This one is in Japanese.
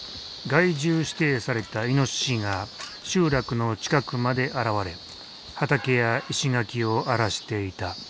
害獣指定されたイノシシが集落の近くまで現れ畑や石垣を荒らしていた。